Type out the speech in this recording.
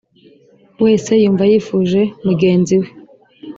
wese yumva yifuje mugenzi we